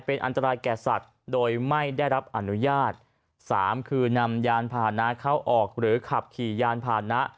เป็นอันตรายแก่สัตว์โดยไม่ได้รับอนุญาตสามคือนำยานพานะเข้าออกหรือขับขี่ยานผ่านนะ